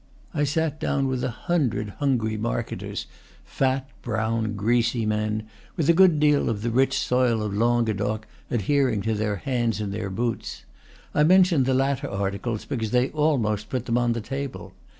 I sat down with a hundred hungry marketers, fat, brown, greasy men, with a good deal of the rich soil of Languedoc adhering to their hands and their boots. I mention the latter articles because they almost put them on the table.